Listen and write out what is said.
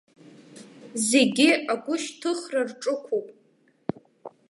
Зегьы агәышьҭыхра рҿықәуп.